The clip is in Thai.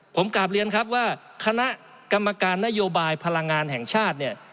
ผมกลับเรียนครับว่าคณะกรรมการนโยบายพลังงานแห่งชาติเนี่ย